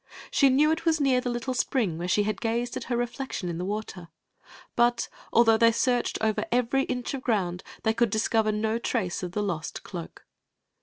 She knew it was near the litde spring where she had gazed at har reflectbn in tfie wi^; but, although they searched over every inch of ground, they could discover no trace of the lost cloak.